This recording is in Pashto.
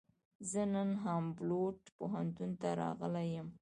زه نن هامبولټ پوهنتون ته راغلی یم.